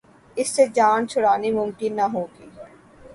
اس سے جان چھڑانی ممکن نہ ہوگی۔